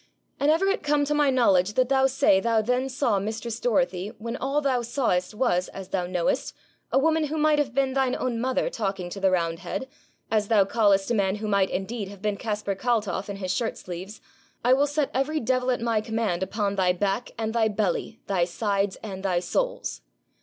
'An' ever it come to my knowledge that thou say thou then saw mistress Dorothy, when all thou sawest was, as thou knowest, a woman who might have been thine own mother talking to the roundhead, as thou callest a man who might indeed have been Caspar Kaltoff in his shirt sleeves, I will set every devil at my command upon thy back and thy belly, thy sides and thy soles.